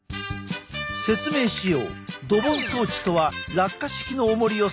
説明しよう。